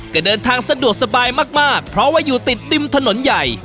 ก็เดินทางสะดวกสบายมากเพราะว่าอยู่ติดริมถนนใหญ่